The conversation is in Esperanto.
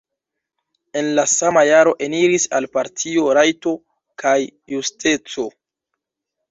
En la sama jaro eniris al partio Rajto kaj Justeco.